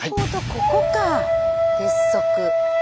ここか鉄則。